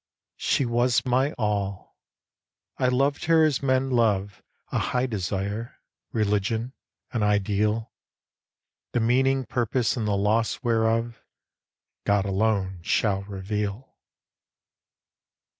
She was my all. I loved her as men love A high desire, religion, an ideal The meaning purpose in the loss whereof God shall alone reveal.